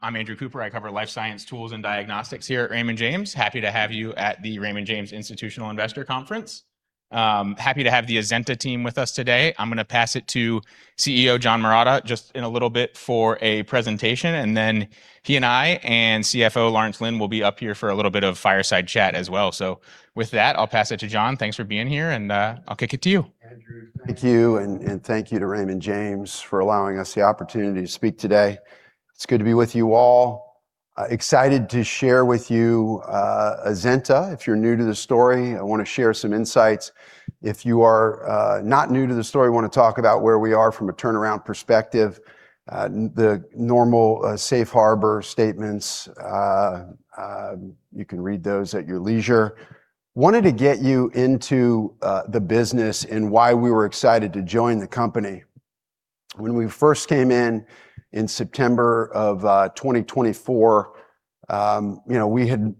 I'm Andrew Cooper. I cover life science tools and diagnostics here at Raymond James. Happy to have you at the Raymond James Institutional Investor Conference. Happy to have the Azenta team with us today. I'm gonna pass it to CEO John Marotta just in a little bit for a presentation, and then he and I and CFO Lawrence Lin will be up here for a little bit of fireside chat as well. With that, I'll pass it to John. Thanks for being here, and I'll kick it to you. Andrew, thank you, and thank you to Raymond James for allowing us the opportunity to speak today. It's good to be with you all. Excited to share with you Azenta. If you're new to the story, I wanna share some insights. If you are not new to the story, wanna talk about where we are from a turnaround perspective. The normal safe harbor statements, you can read those at your leisure. Wanted to get you into the business and why we were excited to join the company. When we first came in in September of 2024, you know, we had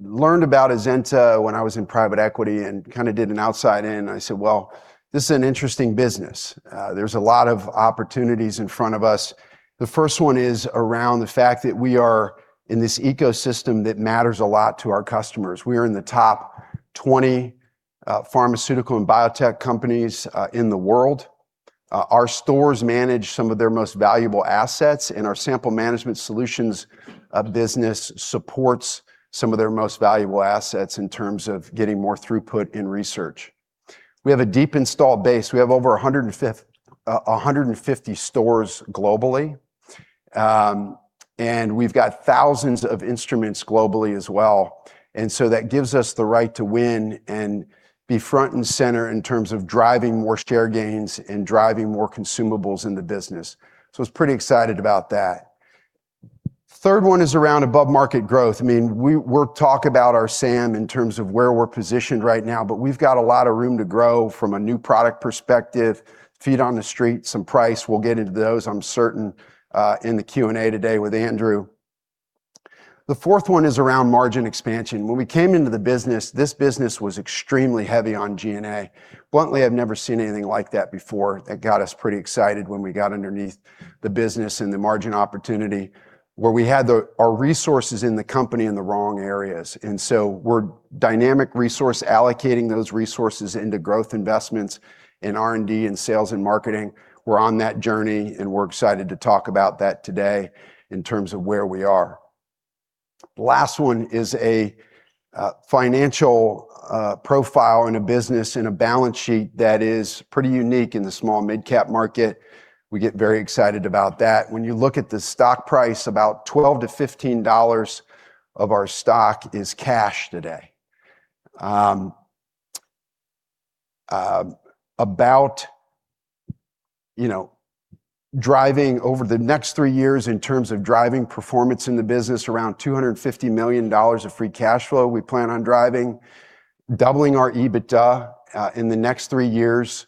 learned about Azenta when I was in private equity and kinda did an outside in. I said, "Well, this is an interesting business. There's a lot of opportunities in front of us." The first one is around the fact that we are in this ecosystem that matters a lot to our customers. We are in the top 20 pharmaceutical and biotech companies in the world. Our stores manage some of their most valuable assets, and our sample management solutions business supports some of their most valuable assets in terms of getting more throughput in research. We have a deep installed base. We have over 150 stores globally, and we've got thousands of instruments globally as well. That gives us the right to win and be front and center in terms of driving more share gains and driving more consumables in the business. I was pretty excited about that. Third one is around above-market growth. I mean, we'll talk about our SAM in terms of where we're positioned right now, but we've got a lot of room to grow from a new product perspective, feet on the street, some price. We'll get into those, I'm certain, in the Q&A today with Andrew. The fourth one is around margin expansion. When we came into the business, this business was extremely heavy on G&A. Bluntly, I've never seen anything like that before. That got us pretty excited when we got underneath the business and the margin opportunity, where we had our resources in the company in the wrong areas. We're dynamic resource allocating those resources into growth investments in R&D and sales and marketing. We're on that journey, and we're excited to talk about that today in terms of where we are. Last one is a financial profile and a business and a balance sheet that is pretty unique in the small midcap market. We get very excited about that. When you look at the stock price, about $12-$15 of our stock is cash today. About, you know, driving over the next three years in terms of driving performance in the business, around $250 million of free cash flow, we plan on driving. Doubling our EBITDA in the next three years.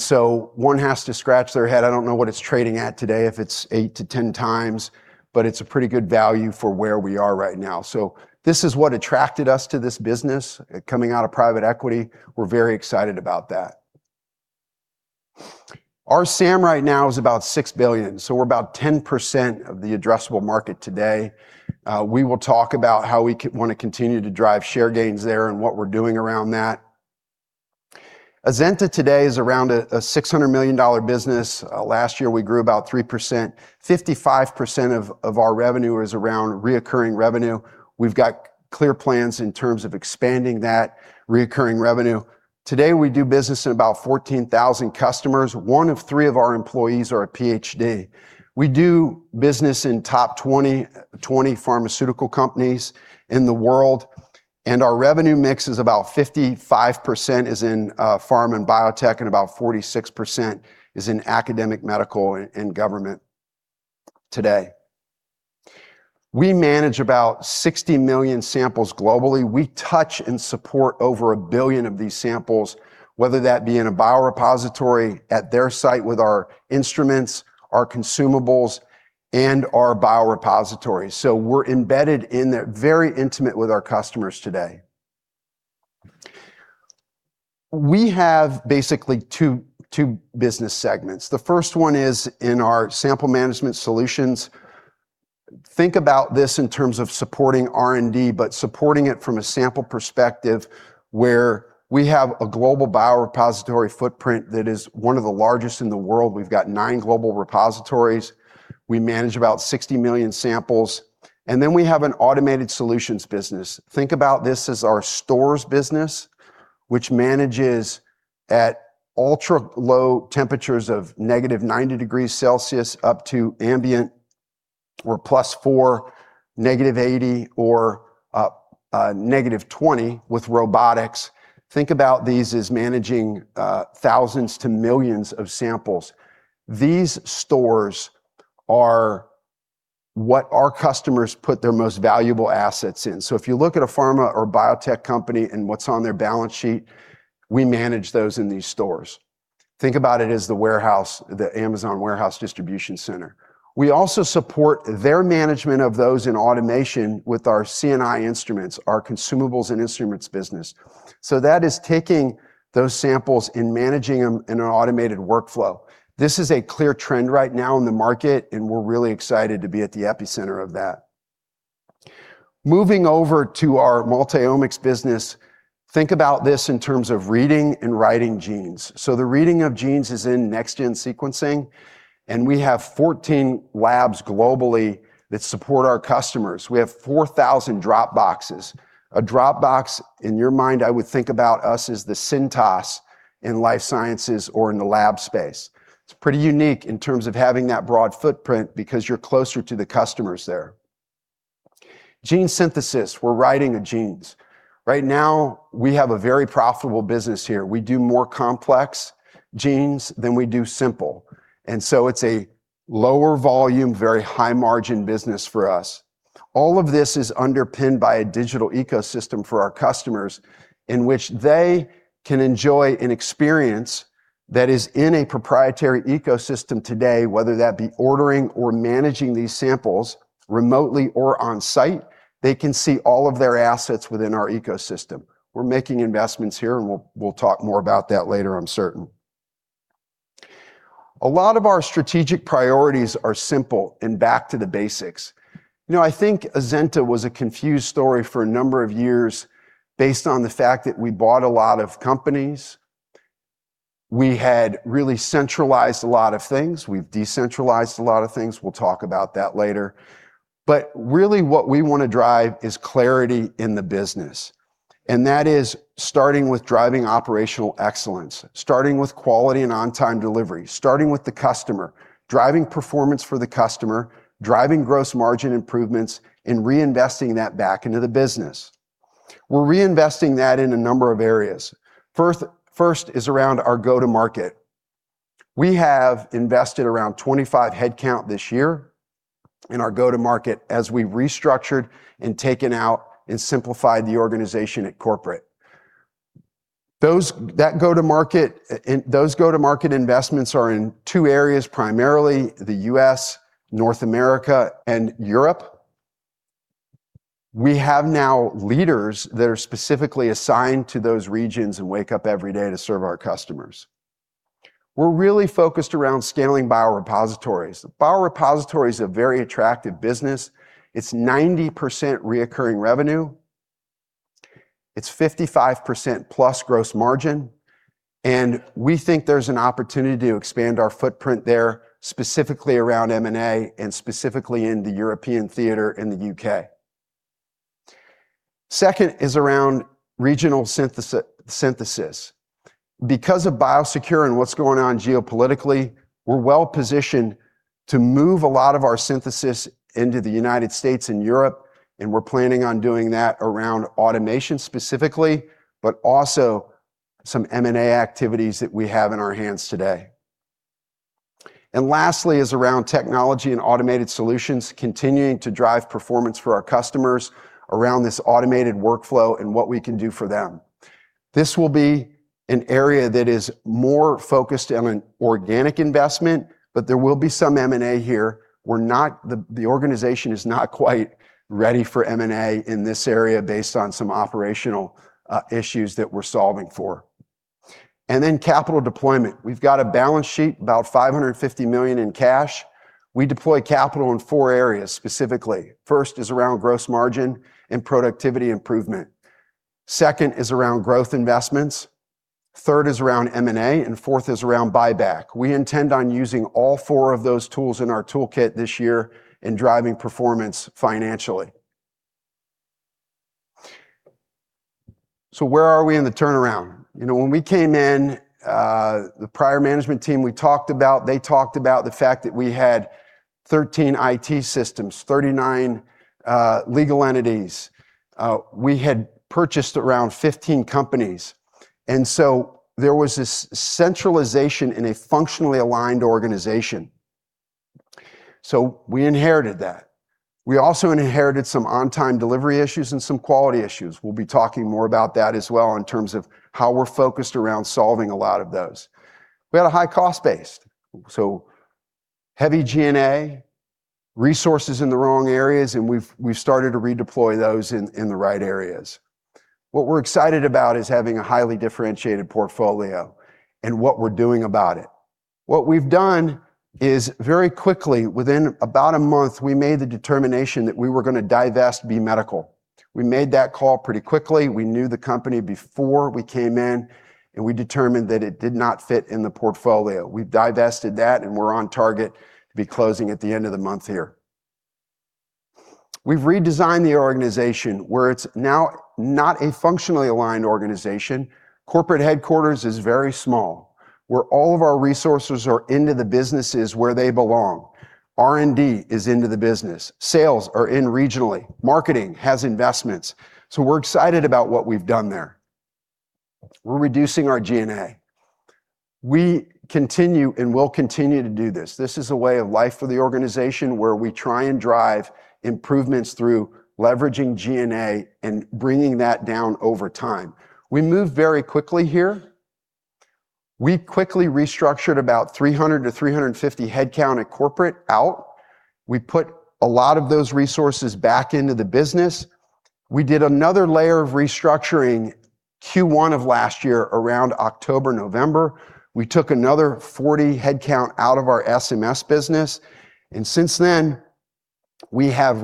One has to scratch their head. I don't know what it's trading at today, if it's 8x to 10x, but it's a pretty good value for where we are right now. This is what attracted us to this business coming out of private equity. We're very excited about that. Our SAM right now is about $6 billion. We're about 10% of the addressable market today. We will talk about how we wanna continue to drive share gains there and what we're doing around that. Azenta today is around a $600 million business. Last year, we grew about 3%. 55% of our revenue is around recurring revenue. We've got clear plans in terms of expanding that recurring revenue. Today, we do business in about 14,000 customers. One of three of our employees are a PhD. We do business in top 20 pharmaceutical companies in the world. Our revenue mix is about 55% is in pharm and biotech, and about 46% is in academic, medical, and government today. We manage about 60 million samples globally. We touch and support over 1 billion of these samples, whether that be in a biorepository at their site with our instruments, our consumables, and our biorepositories. We're embedded in that, very intimate with our customers today. We have basically two business segments. The first one is in our sample management solutions. Think about this in terms of supporting R&D, but supporting it from a sample perspective, where we have a global biorepository footprint that is one of the largest in the world. We've got nine global repositories. We manage about 60 million samples. We have an automated solutions business. Think about this as our stores business, which manages at ultra-low temperatures of -90 degrees Celsius up to ambient or +4, -80, or -20 with robotics. Think about these as managing thousands to millions of samples. These stores are what our customers put their most valuable assets in. If you look at a pharma or biotech company and what's on their balance sheet, we manage those in these stores. Think about it as the warehouse, the Amazon warehouse distribution center. We also support their management of those in automation with our C&I instruments, our consumables and instruments business. That is Those samples in managing them in an automated workflow. This is a clear trend right now in the market, and we're really excited to be at the epicenter of that. Moving over to our multiomics business, think about this in terms of reading and writing genes. The reading of genes is in next-gen sequencing, and we have 14 labs globally that support our customers. We have 4,000 dropboxes. A dropbox, in your mind, I would think about us as the Cintas in life sciences or in the lab space. It's pretty unique in terms of having that broad footprint because you're closer to the customers there. Gene synthesis, we're writing of genes. Right now we have a very profitable business here. We do more complex genes than we do simple, and so it's a lower volume, very high margin business for us. All of this is underpinned by a digital ecosystem for our customers in which they can enjoy an experience that is in a proprietary ecosystem today, whether that be ordering or managing these samples remotely or on site, they can see all of their assets within our ecosystem. We're making investments here and we'll talk more about that later, I'm certain. A lot of our strategic priorities are simple and back to the basics. You know, I think Azenta was a confused story for a number of years based on the fact that we bought a lot of companies. We had really centralized a lot of things. We've decentralized a lot of things. We'll talk about that later. Really what we wanna drive is clarity in the business, and that is starting with driving operational excellence, starting with quality and on-time delivery, starting with the customer, driving performance for the customer, driving gross margin improvements, and reinvesting that back into the business. We're reinvesting that in a number of areas. First is around our go to market. We have invested around 25 headcount this year in our go to market as we've restructured and taken out and simplified the organization at corporate. Those go to market investments are in two areas, primarily the U.S., North America and Europe. We have now leaders that are specifically assigned to those regions and wake up every day to serve our customers. We're really focused around scaling biorepositories. The biorepository is a very attractive business. It's 90% reoccurring revenue, it's 55%+ gross margin, and we think there's an opportunity to expand our footprint there, specifically around M&A and specifically in the European theater in the U.K. Second is around regional synthesis. Because of BIOSECURE and what's going on geopolitically, we're well positioned to move a lot of our synthesis into the United States and Europe, and we're planning on doing that around automation specifically, but also some M&A activities that we have in our hands today. Lastly is around technology and automated solutions, continuing to drive performance for our customers around this automated workflow and what we can do for them. This will be an area that is more focused on an organic investment, but there will be some M&A here. The organization is not quite ready for M&A in this area based on some operational issues that we're solving for. Capital deployment. We've got a balance sheet, about $550 million in cash. We deploy capital in four areas specifically. First is around gross margin and productivity improvement. Second is around growth investments, third is around M&A, and fourth is around buyback. We intend on using all four of those tools in our toolkit this year in driving performance financially. Where are we in the turnaround? You know, when we came in, the prior management team we talked about, they talked about the fact that we had 13 IT systems, 39 legal entities. We had purchased around 15 companies, there was this centralization in a functionally aligned organization. We inherited that. We also inherited some on-time delivery issues and some quality issues. We'll be talking more about that as well in terms of how we're focused around solving a lot of those. We had a high cost base, so heavy G&A, resources in the wrong areas and we've started to redeploy those in the right areas. What we're excited about is having a highly differentiated portfolio and what we're doing about it. What we've done is very quickly, within about a month, we made the determination that we were gonna divest B Medical. We made that call pretty quickly. We knew the company before we came in. We determined that it did not fit in the portfolio. We've divested that and we're on target to be closing at the end of the month here. We've redesigned the organization, where it's now not a functionally aligned organization. Corporate headquarters is very small, where all of our resources are into the businesses where they belong. R&D is into the business. Sales are in regionally. Marketing has investments. We're excited about what we've done there. We're reducing our G&A. We continue and will continue to do this. This is a way of life for the organization where we try and drive improvements through leveraging G&A and bringing that down over time. We move very quickly here. We quickly restructured about 300-350 headcount at corporate out. We put a lot of those resources back into the business. We did another layer of restructuring Q1 of last year around October, November. We took another 40 headcount out of our SMS business. Since then, we have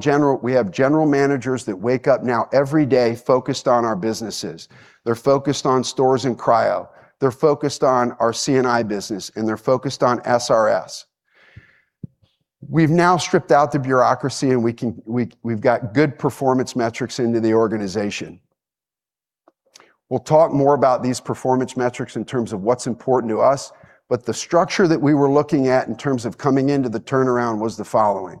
general managers that wake up now every day focused on our businesses. They're focused on stores and cryo, they're focused on our C&I business, and they're focused on SRS. We've now stripped out the bureaucracy. We've got good performance metrics into the organization. We'll talk more about these performance metrics in terms of what's important to us. The structure that we were looking at in terms of coming into the turnaround was the following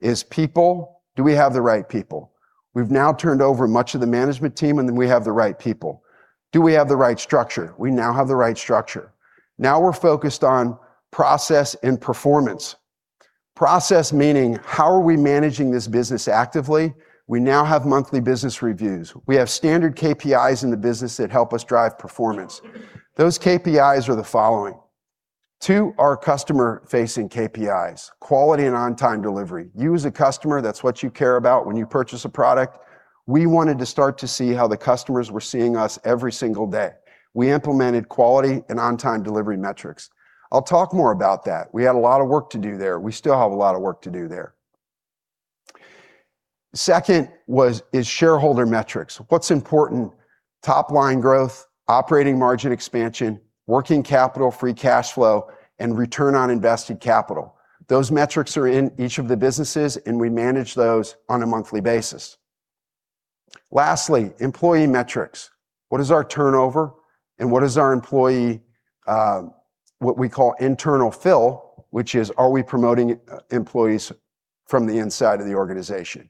is people, do we have the right people? We've now turned over much of the management team. We have the right people. Do we have the right structure? We now have the right structure. We're focused on process and performance. Process meaning how are we managing this business actively? We now have monthly business reviews. We have standard KPIs in the business that help us drive performance. Those KPIs are the following. Two are customer-facing KPIs, quality and on-time delivery. You as a customer, that's what you care about when you purchase a product. We wanted to start to see how the customers were seeing us every single day. We implemented quality and on-time delivery metrics. I'll talk more about that. We had a lot of work to do there. We still have a lot of work to do there. Second is shareholder metrics. What's important? Top-line growth, operating margin expansion, working capital, free cash flow, and return on invested capital. Those metrics are in each of the businesses. We manage those on a monthly basis. Lastly, employee metrics. What is our turnover and what is our employee, what we call internal fill, which is, are we promoting employees from the inside of the organization?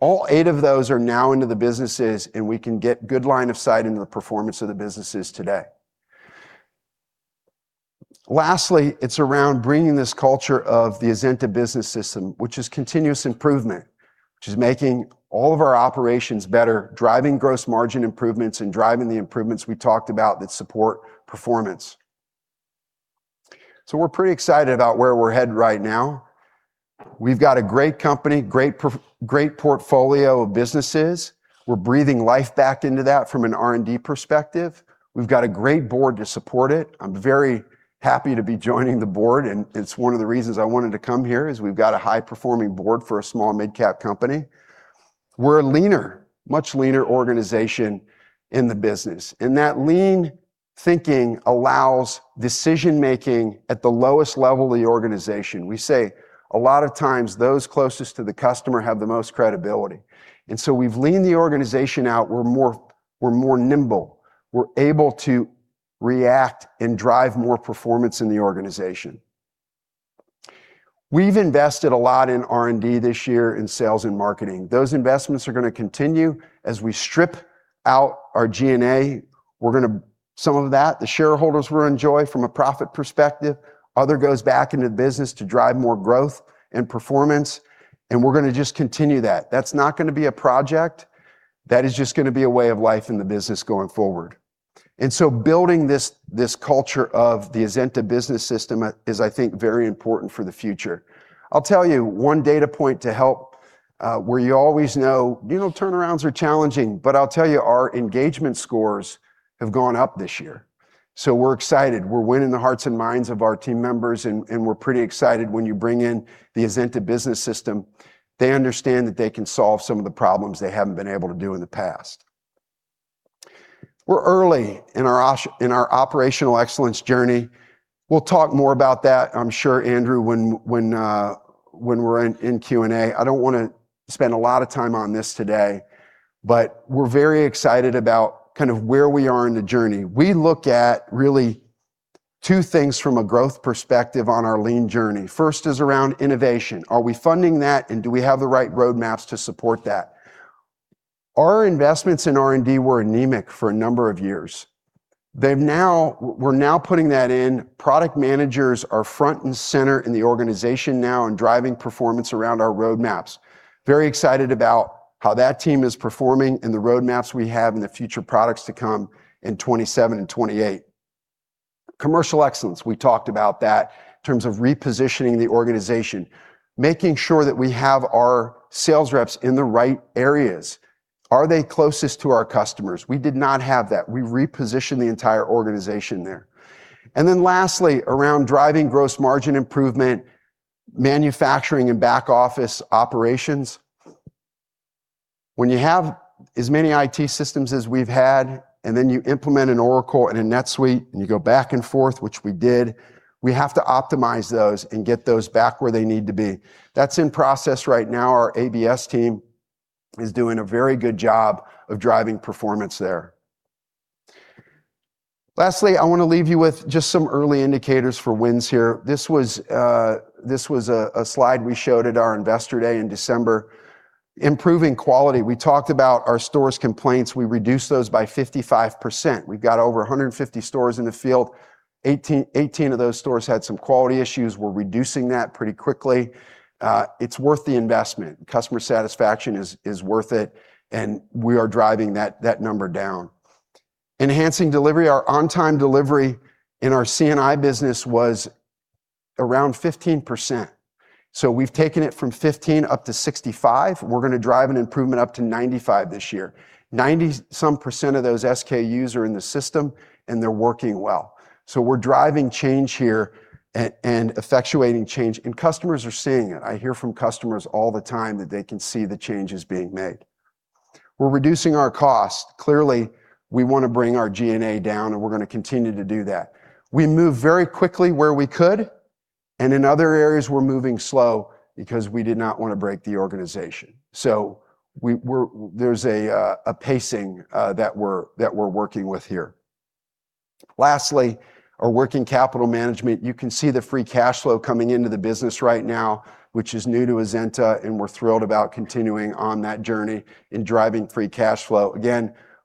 All eight of those are now into the businesses. We can get good line of sight into the performance of the businesses today. Lastly, it's around bringing this culture of the Azenta business system, which is continuous improvement, which is making all of our operations better, driving gross margin improvements and driving the improvements we talked about that support performance. We're pretty excited about where we're headed right now. We've got a great company, great portfolio of businesses. We're breathing life back into that from an R&D perspective. We've got a great board to support it. I'm very happy to be joining the board. It's one of the reasons I wanted to come here is we've got a high-performing board for a small mid-cap company. We're a leaner, much leaner organization in the business. That lean thinking allows decision-making at the lowest level of the organization. We say a lot of times those closest to the customer have the most credibility. So we've leaned the organization out. We're more nimble. We're able to react and drive more performance in the organization. We've invested a lot in R&D this year in sales and marketing. Those investments are gonna continue as we strip out our G&A. Some of that the shareholders will enjoy from a profit perspective. Other goes back into the business to drive more growth and performance. We're gonna just continue that. That's not gonna be a project. That is just gonna be a way of life in the business going forward. Building this culture of the Azenta business system is, I think, very important for the future. I'll tell you one data point to help, where you always know, you know, turnarounds are challenging, but I'll tell you, our engagement scores have gone up this year, so we're excited. We're winning the hearts and minds of our team members and we're pretty excited. When you bring in the Azenta business system, they understand that they can solve some of the problems they haven't been able to do in the past. We're early in our operational excellence journey. We'll talk more about that, I'm sure, Andrew, when we're in Q&A. I don't wanna spend a lot of time on this today. We're very excited about kind of where we are in the journey. We look at really two things from a growth perspective on our lean journey. First is around innovation. Are we funding that, and do we have the right roadmaps to support that? Our investments in R&D were anemic for a number of years. We're now putting that in. Product managers are front and center in the organization now and driving performance around our roadmaps. Very excited about how that team is performing and the roadmaps we have and the future products to come in 2027 and 2028. Commercial excellence, we talked about that in terms of repositioning the organization, making sure that we have our sales reps in the right areas. Are they closest to our customers? We did not have that. We repositioned the entire organization there. Lastly, around driving gross margin improvement, manufacturing and back office operations. When you have as many IT systems as we've had, and then you implement an Oracle and a NetSuite, and you go back and forth, which we did, we have to optimize those and get those back where they need to be. That's in process right now. Our ABS team is doing a very good job of driving performance there. Lastly, I want to leave you with just some early indicators for wins here. This was a slide we showed at our Investor Day in December. Improving quality. We talked about our stores complaints. We reduced those by 55%. We've got over 150 stores in the field. 18 of those stores had some quality issues. We're reducing that pretty quickly. It's worth the investment. Customer satisfaction is worth it. We are driving that number down. Enhancing delivery. Our on-time delivery in our C&I business was around 15%, we've taken it from 15% up to 65%. We're gonna drive an improvement up to 95% this year. 90% some of those SKUs are in the system, they're working well. We're driving change here and effectuating change, customers are seeing it. I hear from customers all the time that they can see the changes being made. We're reducing our cost. Clearly, we wanna bring our G&A down, we're gonna continue to do that. We moved very quickly where we could, in other areas, we're moving slow because we did not wanna break the organization. There's a pacing that we're working with here. Lastly, our working capital management. You can see the free cash flow coming into the business right now, which is new to Azenta, and we're thrilled about continuing on that journey and driving free cash flow.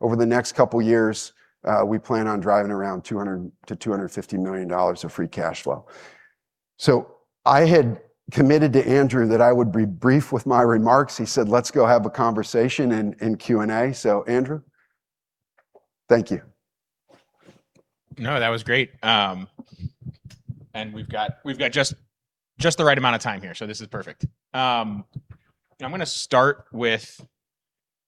Over the next couple years, we plan on driving around $200 million-$250 million of free cash flow. I had committed to Andrew that I would be brief with my remarks. He said, "Let's go have a conversation and Q&A." Andrew, thank you. No, that was great. We've got just the right amount of time here, so this is perfect. I'm gonna start with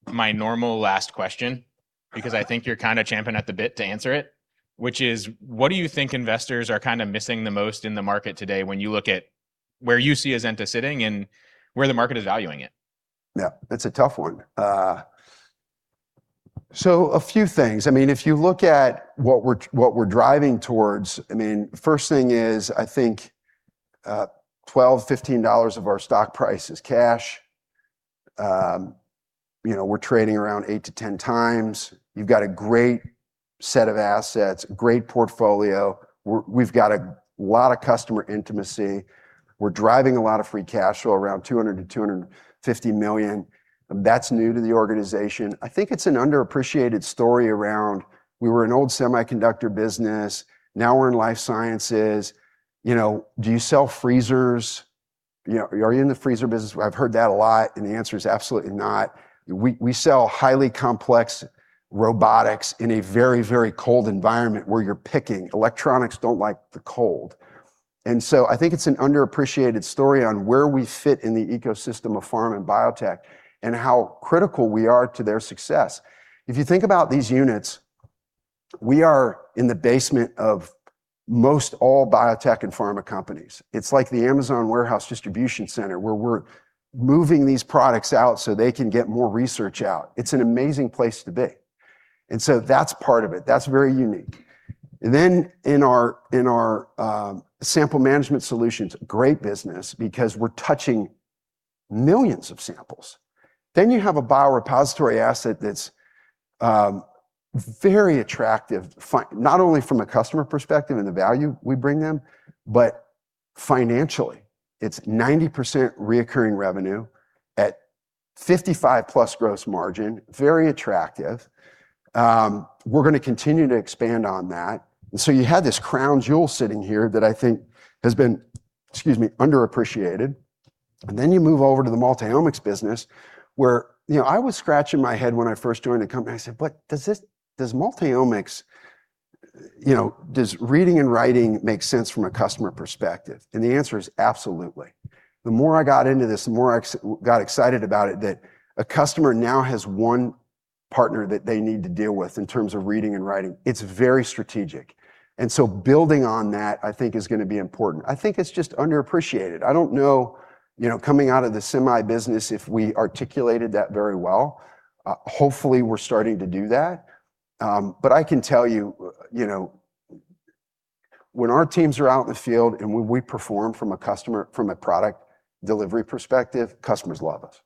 my normal last question. Because I think you're kinda champing at the bit to answer it, which is, what do you think investors are kinda missing the most in the market today when you look at where you see Azenta sitting and where the market is valuing it? That's a tough one. A few things. I mean, if you look at what we're driving towards, I mean, first thing is, I think, $12-$15 of our stock price is cash. You know, we're trading around 8x-10x. You've got a great set of assets, great portfolio. We've got a lot of customer intimacy. We're driving a lot of free cash flow, around $200 million-$250 million. That's new to the organization. I think it's an underappreciated story around we were an old semiconductor business, now we're in life sciences. You know, do you sell freezers? You know, are you in the freezer business? I've heard that a lot. The answer is absolutely not. We sell highly complex robotics in a very, very cold environment where you're picking. Electronics don't like the cold. I think it's an underappreciated story on where we fit in the ecosystem of pharma and biotech and how critical we are to their success. If you think about these units, we are in the basement of most all biotech and pharma companies. It's like the Amazon warehouse distribution center, where we're moving these products out so they can get more research out. It's an amazing place to be, and so that's part of it. That's very unique. In our sample management solutions, great business because we're touching millions of samples. You have a biorepository asset that's very attractive not only from a customer perspective and the value we bring them, but financially. It's 90% recurring revenue at 55%+ gross margin. Very attractive. We're gonna continue to expand on that. You have this crown jewel sitting here that I think has been, excuse me, underappreciated. You move over to the multiomics business where, you know, I was scratching my head when I first joined the company. I said, "But does this, does multiomics, you know, does reading and writing make sense from a customer perspective?" The answer is absolutely. The more I got into this, the more got excited about it, that a customer now has one partner that they need to deal with in terms of reading and writing. Building on that, I think, is gonna be important. I think it's just underappreciated. I don't know, you know, coming out of the semi business, if we articulated that very well. Hopefully we're starting to do that. I can tell you know, when our teams are out in the field and when we perform from a customer, from a product delivery perspective, customers love us.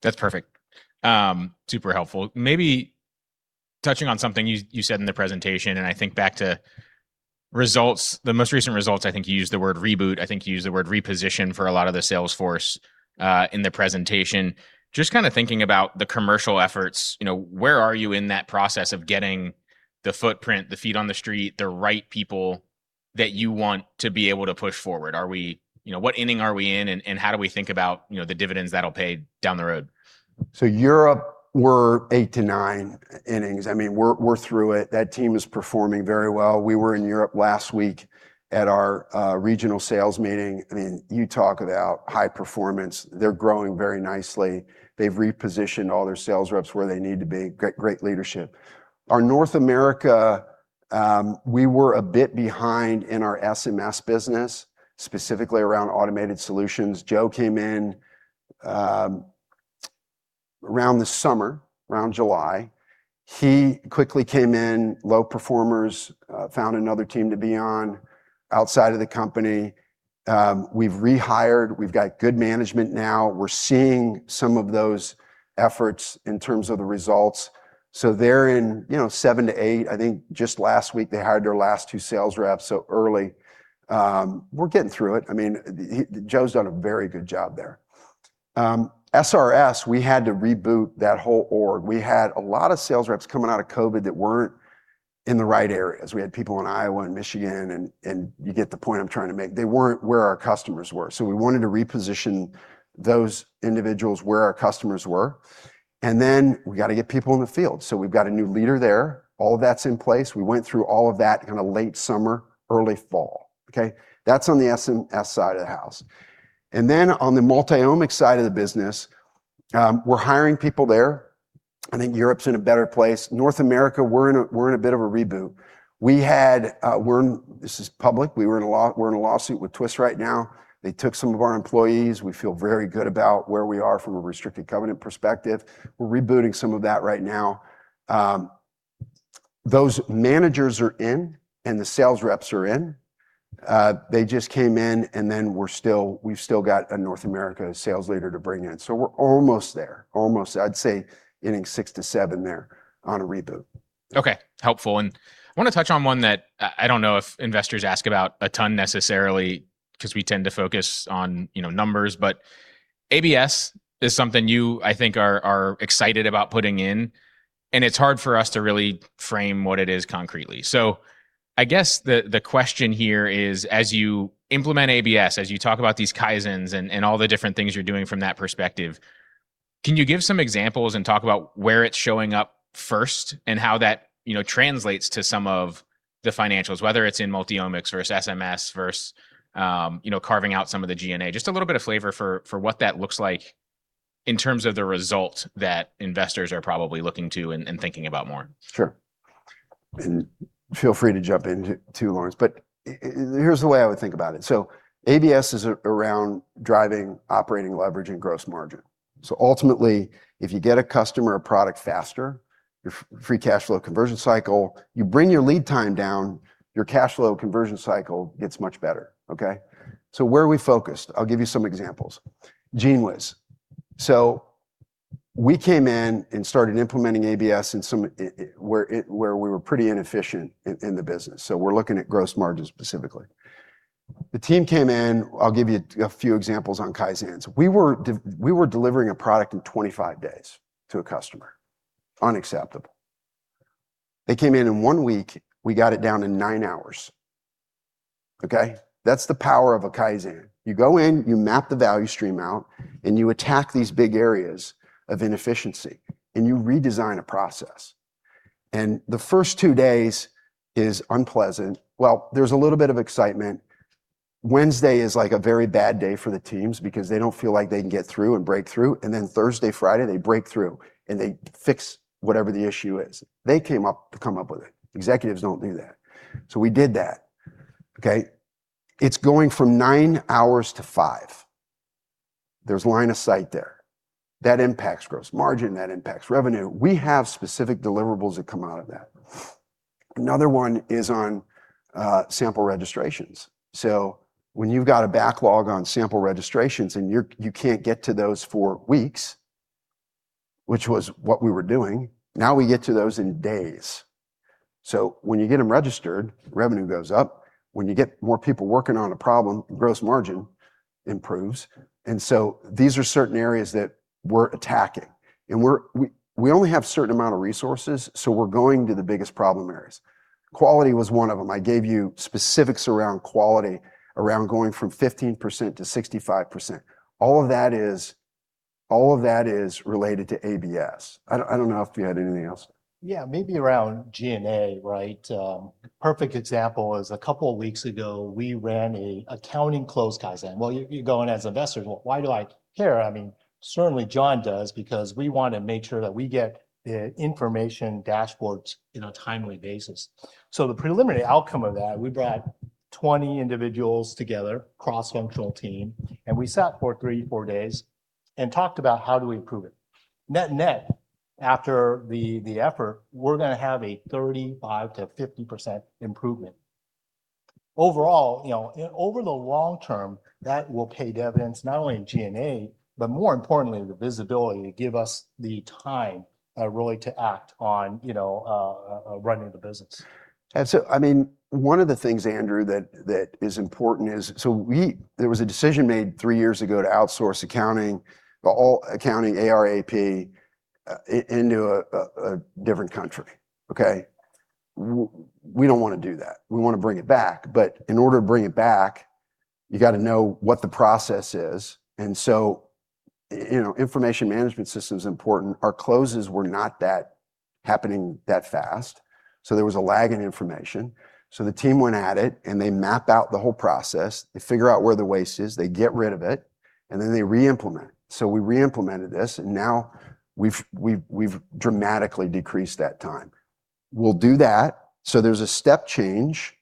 That's perfect. Super helpful. Maybe touching on something you said in the presentation. I think back to results, the most recent results, I think you used the word reboot. I think you used the word reposition for a lot of the sales force in the presentation. Just kinda thinking about the commercial efforts, you know, where are you in that process of getting the footprint, the feet on the street, the right people that you want to be able to push forward? You know, what inning are we in and how do we think about, you know, the dividends that'll pay down the road? Europe, we're eight to nine innings. I mean, we're through it. That team is performing very well. We were in Europe last week at our regional sales meeting. I mean, you talk about high performance. They're growing very nicely. They've repositioned all their sales reps where they need to be. Great leadership. Our North America, we were a bit behind in our SMS business, specifically around automated solutions. Joe came in around the summer, around July. He quickly came in, low performers, found another team to be on outside of the company. We've rehired. We've got good management now. We're seeing some of those efforts in terms of the results. They're in, you know, seven to eight. I think just last week, they hired their last two sales reps so early. We're getting through it. I mean, Joe's done a very good job there. SRS, we had to reboot that whole org. We had a lot of sales reps coming out of COVID that weren't in the right areas. We had people in Iowa and Michigan and you get the point I'm trying to make. They weren't where our customers were, we wanted to reposition those individuals where our customers were and then we gotta get people in the field. We've got a new leader there. All that's in place. We went through all of that in the late summer, early fall. Okay? That's on the SMS side of the house. On the multiomic side of the business, we're hiring people there, Europe's in a better place. North America, we're in a bit of a reboot. We had. This is public. We're in a lawsuit with Twist right now. They took some of our employees. We feel very good about where we are from a restricted covenant perspective. We're rebooting some of that right now. Those managers are in and the sales reps are in. They just came in and then we're still, we've still got a North America sales leader to bring in. We're almost there. Almost. I'd say inning six to seven there on a reboot. Okay. Helpful. I wanna touch on one that I don't know if investors ask about a ton necessarily, 'cause we tend to focus on, you know, numbers, but ABS is something you, I think, are excited about putting in, and it's hard for us to really frame what it is concretely. I guess the question here is as you implement ABS, as you talk about these Kaizens and all the different things you're doing from that perspective, can you give some examples and talk about where it's showing up first and how that, you know, translates to some of the financials? Whether it's in multiomics versus SMS versus, you know, carving out some of the G&A. Just a little bit of flavor for what that looks like in terms of the result that investors are probably looking to and thinking about more. Sure. Feel free to jump in too, Lawrence. Here's the way I would think about it. ABS is around driving, operating, leverage, and gross margin. Ultimately if you get a customer a product faster, your free cash flow conversion cycle, you bring your lead time down, your cash flow conversion cycle gets much better. Okay? Where are we focused? I'll give you some examples. GENEWIZ. We came in and started implementing ABS in some where we were pretty inefficient in the business. We're looking at gross margins specifically. The team came in, I'll give you a few examples on Kaizens. We were delivering a product in 25 days to a customer. Unacceptable. They came in one week we got it down to nine hours. Okay? That's the power of a Kaizen. You go in, you map the value stream out, you attack these big areas of inefficiency, you redesign a process. The first two days is unpleasant. Well, there's a little bit of excitement. Wednesday is like a very bad day for the teams because they don't feel like they can get through and break through, then Thursday, Friday, they break through and they fix whatever the issue is. They come up with it. Executives don't do that. We did that. Okay? It's going from nine hours to five. There's line of sight there. That impacts gross margin, that impacts revenue. We have specific deliverables that come out of that. Another one is on sample registrations. When you've got a backlog on sample registrations and you're, you can't get to those for weeks, which was what we were doing, now we get to those in days. When you get them registered, revenue goes up. When you get more people working on a problem, gross margin improves. These are certain areas that we're attacking. We're, we only have a certain amount of resources, so we're going to the biggest problem areas. Quality was one of them. I gave you specifics around quality, around going from 15% to 65%. All of that is related to ABS. I don't know if you had anything else. Yeah. Maybe around G&A, right? Perfect example is a couple weeks ago we ran a accounting close Kaizen. Well, you're going, as investors, well, why do I care? I mean, certainly John does because we want to make sure that we get the information dashboards in a timely basis. The preliminary outcome of that, we brought 20 individuals together, cross-functional team, and we sat for three, four days and talked about how do we improve it. Net-net, after the effort, we're gonna have a 35%-50% improvement. Overall, you know, over the long term, that will pay dividends not only in G&A, but more importantly the visibility to give us the time, really to act on, you know, running the business. I mean, one of the things, Andrew, that is important is, so we, there was a decision made three years ago to outsource accounting, all accounting, ARAP, into a different country. Okay. We don't wanna do that. We wanna bring it back. In order to bring it back, you gotta know what the process is. You know, information management system's important. Our closes were not that happening that fast, so there was a lag in information. The team went at it and they map out the whole process. They figure out where the waste is, they get rid of it, and then they re-implement. We re-implemented this, and now we've dramatically decreased that time. We'll do that so there's a step change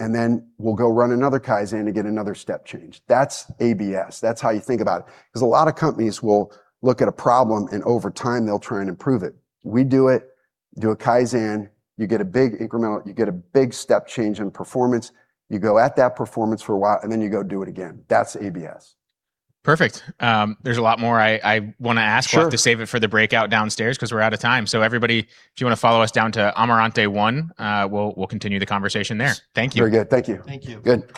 and then we'll go run another Kaizen to get another step change. That's ABS. That's how you think about it. 'Cause a lot of companies will look at a problem and over time they'll try and improve it. We do it, do a Kaizen, you get a big incremental, you get a big step change in performance, you go at that performance for a while, and then you go do it again. That's ABS. Perfect. There's a lot more I wanna ask to save it for the breakout downstairs 'cause we're out of time. Everybody, if you wanna follow us down to Amarante 1, we'll continue the conversation there. Thank you. Very good. Thank you. Thank you. Good.